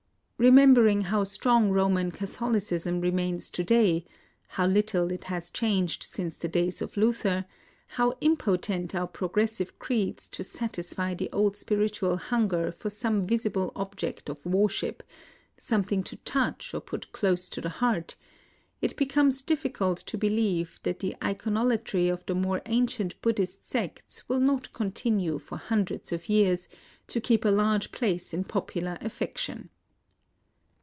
Eemembering how strong Roman Catholicism remains to day, how little it has changed since the days of Luther, how im potent our progressive creeds to satisfy the old spiritual hunger for some visible object of worship, — something to touch, or put close to the heart, — it becomes difficult to believe that the iconolatry of the more ancient Bud dhist sects will not continue for hundreds of years to keep a large place in popular affec tion.